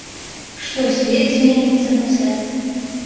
Што свет зменіцца пасля?